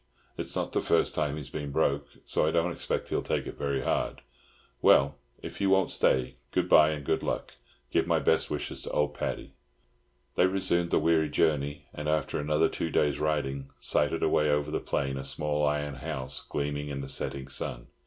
It's not the first time he's been broke, so I don't expect he'll take it very hard. Well, if you won't stay, good bye and good luck! Give my best wishes to old Paddy." They resumed the weary journey, and after another two days' riding sighted away over the plain a small iron house, gleaming in the setting sun.